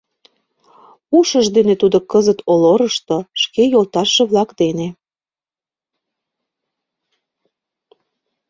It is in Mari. Ушыж дене тудо кызыт Олорышто, шке йолташыже-влак дене.